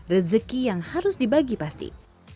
rezeki yang harus dibagi pasti